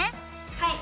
はい！